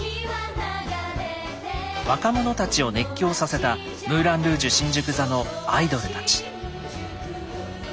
若者たちを熱狂させたムーラン・ルージュ新宿座のアイドルたち。